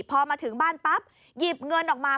พอมาถึงบ้านปั๊บหยิบเงินออกมา